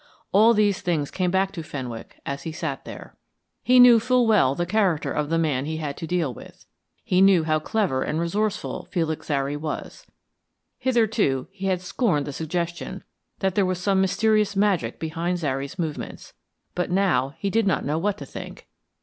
All these things came back to Fenwick as he sat there. He knew full well the character of the man he had to deal with; he knew how clever and resourceful Felix Zary was. Hitherto, he had scorned the suggestion that there was some mysterious magic behind Zary's movements, but now he did not know what to think.